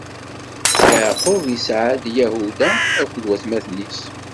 Yeɛqub isɛa-d Yahuda akked watmaten-is.